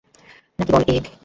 নাহি কি বল এ ভুজমৃণালে?